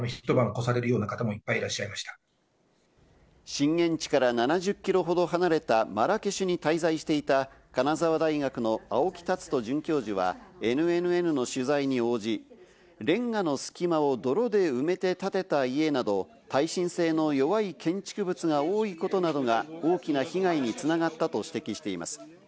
震源地から７０キロほど離れたマラケシュに滞在していた、金沢大学の青木賢人准教授は、ＮＮＮの取材に応じ、レンガの隙間を泥で埋めて建てた家など、耐震性の弱い建築物が多いことなどが大きな被害に繋がったと指摘しています。